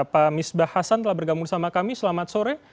pak misbah hasan telah bergabung sama kami selamat sore